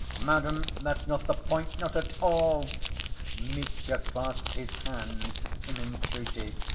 "Madam, that's not the point, not at all...." Mitya clasped his hands in entreaty.